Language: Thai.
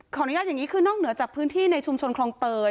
อนุญาตอย่างนี้คือนอกเหนือจากพื้นที่ในชุมชนคลองเตย